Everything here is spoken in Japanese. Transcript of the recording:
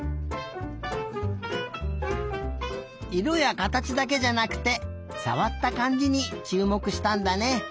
いろやかたちだけじゃなくてさわったかんじにちゅうもくしたんだね。